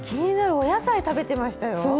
お野菜食べてましたよ。